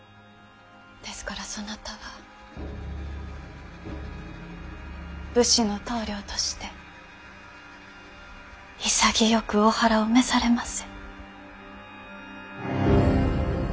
ですからそなたは武士の棟梁として潔くお腹を召されませ。